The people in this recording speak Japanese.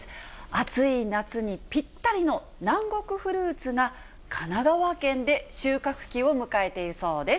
暑い夏にぴったりの南国フルーツが、神奈川県で収穫期を迎えているそうです。